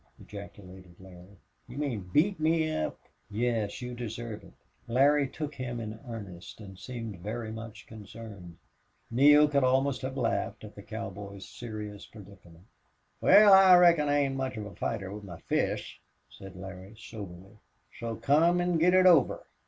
ejaculated Larry. "You mean beat me up?" "Yes. You deserve it." Larry took him in earnest and seemed very much concerned. Neale could almost have laughed at the cowboy's serious predicament. "Wal, I reckon I ain't much of a fighter with my fists," said Larry, soberly. "So come an' get it over."